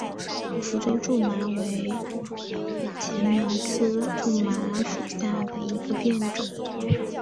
福州苎麻为荨麻科苎麻属下的一个变种。